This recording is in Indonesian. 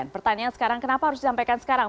pertanyaan sekarang kenapa harus disampaikan sekarang